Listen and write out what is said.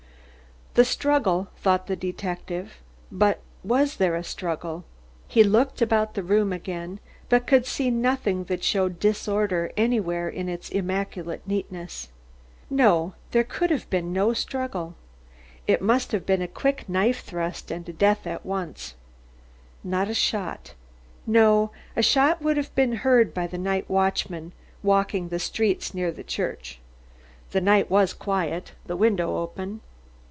"The struggle," thought the detective, "but was there a struggle?" He looked about the room again, but could see nothing that showed disorder anywhere in its immaculate neatness. No, there could have been no struggle. It must have been a quick knife thrust and death at once. "Not a shot?" No, a shot would have been heard by the night watchman walking the streets near the church. The night was quiet, the window open.